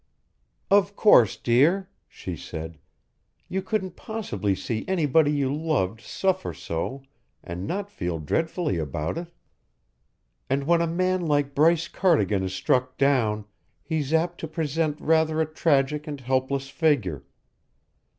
"Of course, dear," she said, "you couldn't possibly see anybody you loved suffer so and not feel dreadfully about it. And when a man like Bryce Cardigan is struck down, he's apt to present rather a tragic and helpless figure.